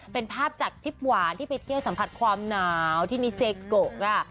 เป็นภาพจากทริปหวานที่ไปเที่ยวสัมผัสความหนาวที่มีเซโกะค่ะ